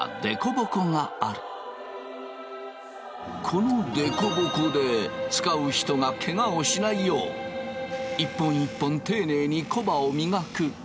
このデコボコで使う人がケガをしないよう一本一本丁寧にコバを磨く。